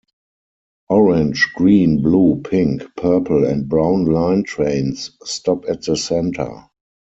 Orange, Green, Blue, Pink, Purple and Brown Line trains stop at the center.